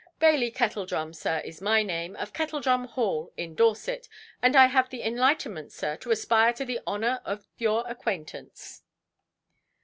Bailey Kettledrum, sir, is my name, of Kettledrum Hall, in Dorset. And I have the enlightenment, sir, to aspire to the honour of your acquaintance".